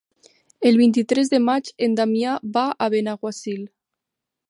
El vint-i-tres de maig en Damià va a Benaguasil.